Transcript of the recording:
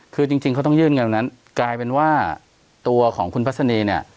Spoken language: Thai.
คือจริงเขาต้องยื่นเงินตรงนั้นกลายเป็นว่าตัวของคุณพัศนีเนี่ย